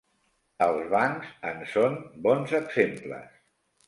Els bancs en són bons exemples.